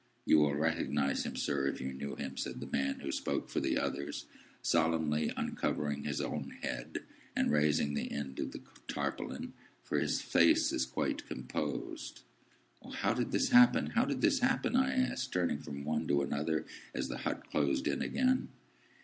"You will recognise him, sir, if you knew him," said the man who spoke for the others, solemnly uncovering his own head, and raising an end of the tarpaulin, "for his face is quite composed." "O, how did this happen, how did this happen?" I asked, turning from one to another as the hut closed in again.